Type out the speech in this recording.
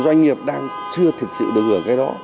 doanh nghiệp đang chưa thực sự được hưởng cái đó